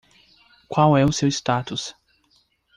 Qual é o seu status?